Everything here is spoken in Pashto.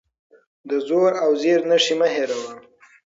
د زور او زېر نښې مه هېروه.